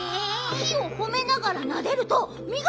木をほめながらなでるとみがなるんだ！